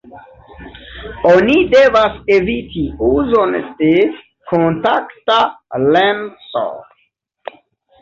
Oni devas eviti uzon de kontakta lenso.